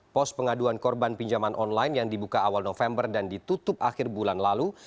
pos pengaduan korban pinjaman online yang dibuka awal november dan ditutup akhir bulan lalu